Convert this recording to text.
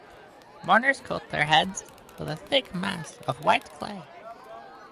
Mourners coat their heads with a thick mass of white clay.